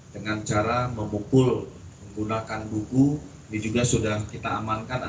dengan cara memukul menggunakan buku ini juga sudah kita amankan